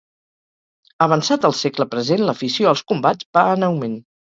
Avançat el segle present l'afició als combats va en augment.